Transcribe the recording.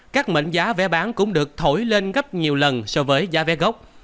các mệnh giá vé bán cũng được thổi lên gấp nhiều lần so với giá vé gốc